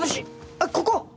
あっここ！